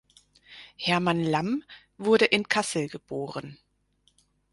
Hermann Lamm wurde in Kassel geboren.